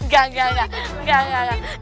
gak gak gak